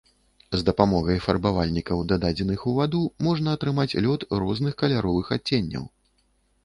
З дапамогай фарбавальнікаў дададзеных у ваду можна атрымаць лёд розных каляровых адценняў.